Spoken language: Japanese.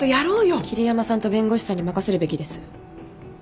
桐山さんと弁護士さんに任せるべきです。